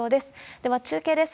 出は中継です。